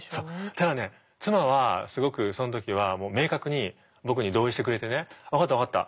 ただね妻はすごくその時は明確に僕に同意してくれてね「分かった分かった。